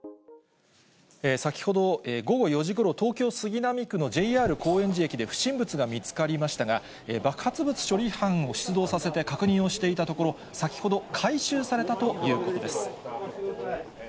先ほど午後４時ごろ、東京・杉並区のＪＲ高円寺駅で不審物が見つかりましたが、爆発物処理班を出動させて確認をしていたところ、先ほど回収されたということです。